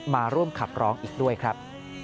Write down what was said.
มาร่วมขับร้องอีกด้วยครับ